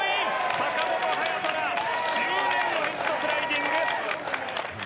坂本勇人が執念のヘッドスライディング！